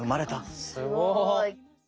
すごい。